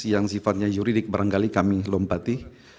yang sifatnya yuridik barangkali kami lompati